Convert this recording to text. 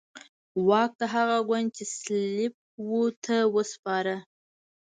واک د هغه ګوند چې سلپيپ وو ته وسپاره.